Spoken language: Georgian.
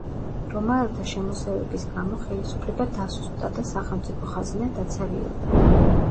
რომაელთა შემოსევების გამო ხელისუფლება დასუსტდა და სახელმწიფო ხაზინა დაცარიელდა.